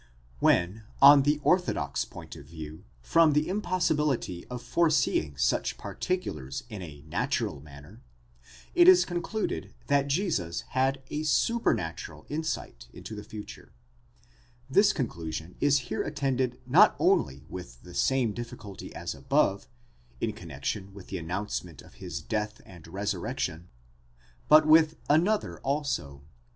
® When on the orthodox point of view, from the impossibility of foreseeing such particulars in a natural manner, it is concluded that Jesus had a super natural insight into the future ; this conclusion is here attended not only with the same difficulty as ahove, in connection with the announcement of his death and resurrection, but with another also.